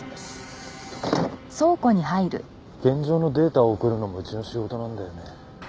現場のデータを送るのもうちの仕事なんだよね。